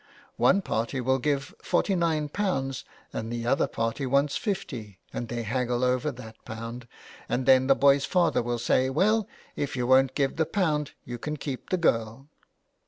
One party will give forty nine pounds and the other party wants fifty, and they haggle over that pound, and then the boy's father will say, "Well if you won't give the pound you can keep the girl."